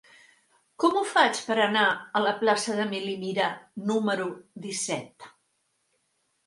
Com ho faig per anar a la plaça d'Emili Mira número disset?